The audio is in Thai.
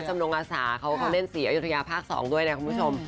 นงอาสาเขาเล่นศรีอยุธยาภาค๒ด้วยนะคุณผู้ชม